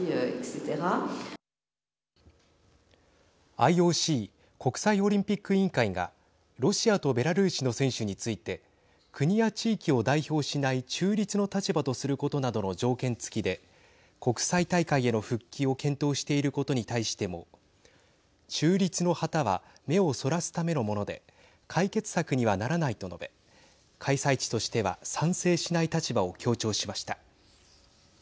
ＩＯＣ＝国際オリンピック委員会がロシアとベラルーシの選手について国や地域を代表しない中立の立場とすることなどの条件付きで国際大会への復帰を検討していることに対しても中立の旗は目をそらすためのもので解決策にはならないと述べ開催地としては賛成しない立場を強調しました。